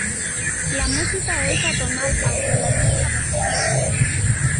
La música es atonal, aunque la línea vocal es tonal.